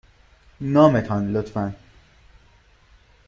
نام تان، لطفاً.